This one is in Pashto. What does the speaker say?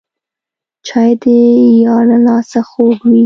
چای د یار له لاسه خوږ وي